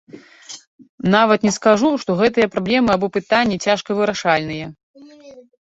Нават не скажу, што гэтыя праблемы або пытанні цяжка вырашальныя.